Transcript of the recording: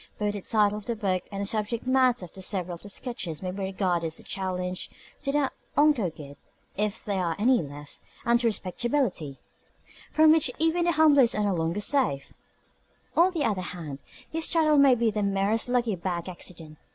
Both the title of the book and the subject matter of several of the sketches may be regarded as a challenge to the unco' guid (if there are any left) and to respectability (from which even the humblest are no longer safe). On the other hand, his title may be the merest lucky bag accident.